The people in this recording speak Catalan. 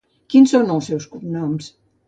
Quins són els seus cognoms?